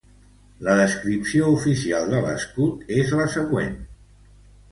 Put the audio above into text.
La descripció oficial de l'escut és la següent.